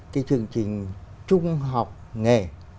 cái chương trình trung học nghề